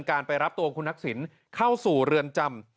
จะเกิงจากโรงการเลือนการไปรับตัวคุณนักศิลป์เข้าสู่เรือนจำ